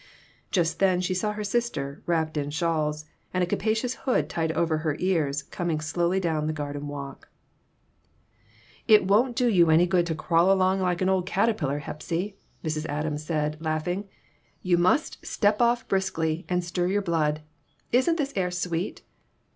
Just then she saw her sister, wrapped in shawls, and a capacious hood tied over her ears, coming slowly down the garden walk. PERTURBATIONS. 59 " It won't do you any good to crawl along like an old caterpillar, Hepsy," Mrs. Adams said, laughing; "you must step off briskly and stir your blood. Isn't this air sweet